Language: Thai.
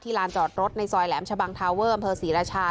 ลานจอดรถในซอยแหลมชะบังทาเวอร์อำเภอศรีราชา